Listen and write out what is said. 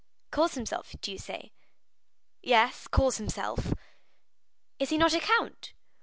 "Calls himself, do you say?" "Yes, calls himself." "Is he not a count?"